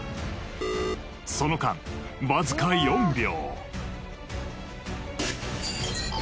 その間わずか４秒。